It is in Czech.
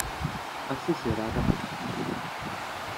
Asi si ráda pospí.